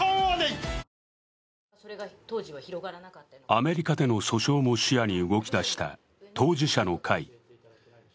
アメリカでの訴訟も視野に動き出した当事者の会。